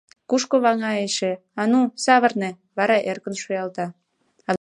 — Кушко ваҥа эше, а ну, савырне! — вара эркын шуялта.